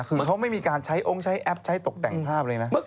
คือเขาไม่มีการใช้องค์ใช้แอปใช้ตกแต่งภาพเลยนะ